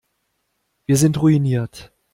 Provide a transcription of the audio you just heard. Wir sind ruiniert.